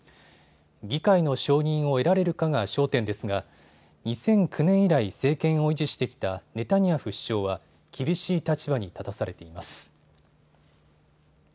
議会の承認を得られるかが焦点ですが２００９年以来、政権を維持してきたネタニヤフ首相は厳しい立場に立たされています。